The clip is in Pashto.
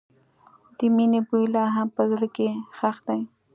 د مینې بوی لا هم په زړګي کې ښخ دی.